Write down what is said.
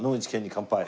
乾杯。